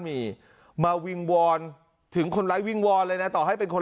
มีมาวิงวอนถึงคนร้ายวิงวอนเลยนะต่อให้เป็นคน